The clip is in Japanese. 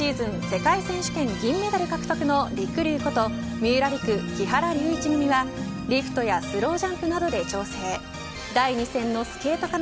世界選手権銀メダル獲得のりくりゅうと三浦璃来、木原龍一にはリフトやスロージャンプなどで調整第２戦のスケート